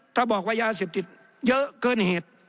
ถ้าบอกว่ายาเสพติดเยอะเกินเหตุ